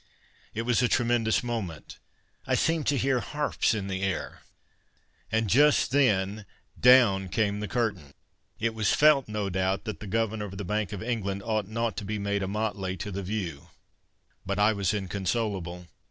It was a tremendous moment. I seemed to hear harps in the air. And just then, do\\Ti came the curtain ! It was felt, no doubt, that the Governor of the Bank of England ought not to be made a motley to the view. But I was inconsolable.